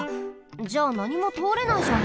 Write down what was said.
じゃあなにもとおれないじゃん。